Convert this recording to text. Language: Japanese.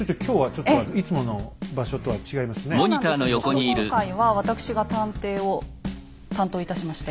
ちょっと今回は私が探偵を担当いたしまして。